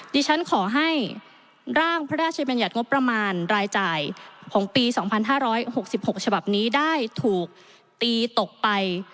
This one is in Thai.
ดิฉันขอให้ร่างพระราชบัญญัติงบประมาณรายจ่ายของปี๒๕๖๖ฉบับนี้ได้ถูกตีตกไป